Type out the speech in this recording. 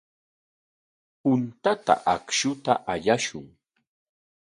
Puntata akshuta allashun.